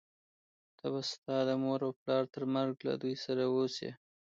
ته به ستا د مور و پلار تر مرګه له دوی سره اوسې،